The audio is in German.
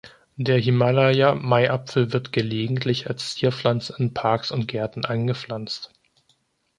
Der Himalaya-Maiapfel wird gelegentlich als Zierpflanze in Parks und Gärten angepflanzt.